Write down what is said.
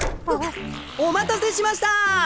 お待たせしましたっ！